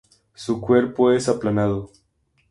Su cuerpo es aplanado.